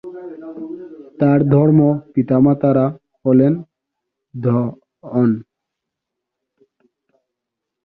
তার ধর্ম পিতা-মাতা'রা হলেন দ্য হন।